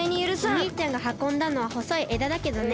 おにいちゃんがはこんだのはほそいえだだけどね。